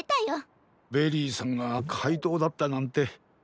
ベリーさんがかいとうだったなんて。